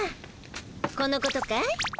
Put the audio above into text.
このことかい？